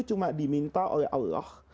cuma diminta oleh allah